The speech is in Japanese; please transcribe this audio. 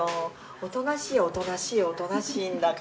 「おとなしい」「おとなしい」「おとなしい」んだから。